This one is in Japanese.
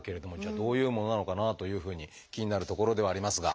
あどういうものなのかなというふうに気になるところではありますが。